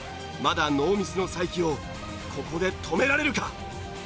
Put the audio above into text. まだノーミスの才木をここで止められるか？